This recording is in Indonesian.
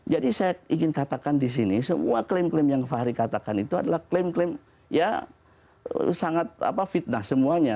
jadi saya ingin katakan disini semua klaim klaim yang fahri katakan itu adalah klaim klaim ya sangat fitnah semuanya